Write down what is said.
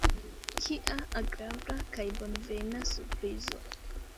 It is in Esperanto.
Kia agrabla kaj bonvena surprizo!